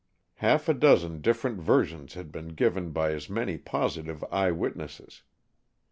Half a dozen different versions had been given by as many positive eye witnesses.